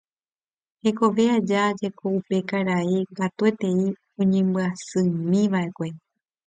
Hekove aja jeko upe karai katuetei oñembyasymíva'ekue